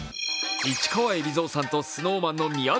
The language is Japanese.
市川海老蔵さんとＳｎｏｗＭａｎの宮舘さん。